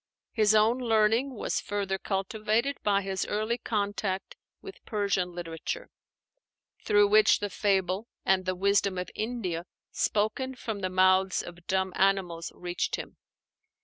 His own learning was further cultivated by his early contact with Persian literature; through which the fable and the wisdom of India spoken from the mouths of dumb animals reached him.